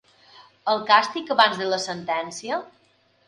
El càstig abans de la sentència?